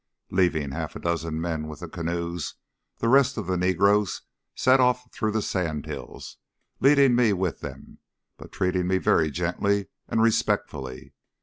Leaving half a dozen men with the canoes, the rest of the negroes set off through the sand hills, leading me with them, but treating me very gently and respectfully.